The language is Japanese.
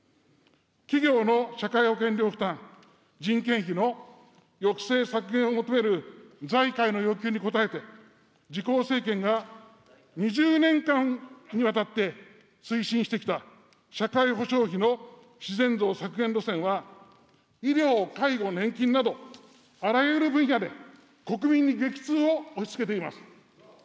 企業の社会保険料負担、人件費の抑制、削減を求める財界の要求に応えて、自公政権が２０年間にわたって推進してきた社会保障費の自然増削減路線は、医療・介護・年金など、あらゆる分野で国民に激痛を押しつけています。